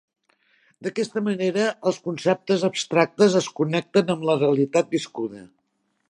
D'aquesta manera els conceptes abstractes es connecten amb la realitat viscuda.